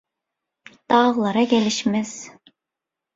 daglara gelişmez.